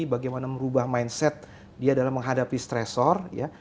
bagaimana merubah mindset dia dalam menghadapi stressor ya